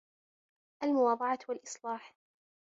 الْمُوَاضَعَةُ وَالْإِصْلَاحُ